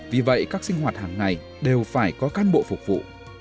vì vậy các sinh hoạt hàng ngày đều phải có cán bộ phục vụ